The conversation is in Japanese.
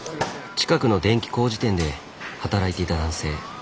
近くの電気工事店で働いていた男性。